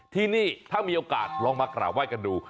ที่นี่ถ้ามีโอกาสลองมากราบไห้กันดู